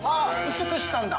◆薄くしたんだ。